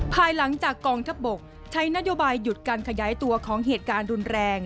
ภายหลังจากกองทัพบกใช้นโยบายหยุดการขยายตัวของเหตุการณ์รุนแรง